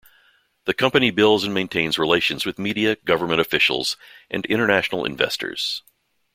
The company builds and maintains relations with media, government officials and international investors.